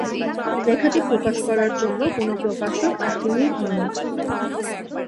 লেখাটি প্রকাশ করার জন্য কোন প্রকাশক আগ্রহী হননি।